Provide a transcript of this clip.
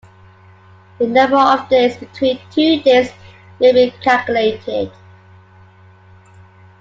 The number of days between two dates may be calculated.